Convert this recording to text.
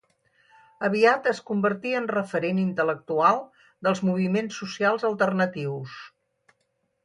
Aviat es convertí en referent intel·lectual dels moviments socials alternatius.